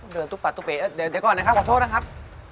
ตุ๊ปัดตุ๊บไปเดี๋ยวก่อนนะครับขอโทษนะครับ